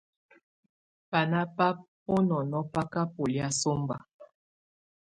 Bána bá bunɔnɔ̀ bà ka bɔlɛ̀á sɔmba.